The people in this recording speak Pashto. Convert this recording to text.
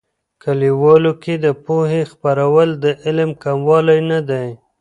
کلیوالو کې د پوهې خپرول، د علم کموالی نه دي.